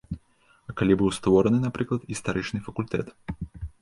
А калі быў створаны, напрыклад, гістарычны факультэт?